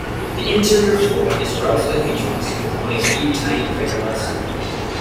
The interior floor is relatively featureless, with only a few tiny craterlets.